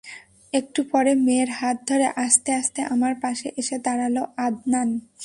একটু পরে মেয়ের হাত ধরে আস্তে আস্তে আমার পাশে এসে দাঁড়াল আদনান।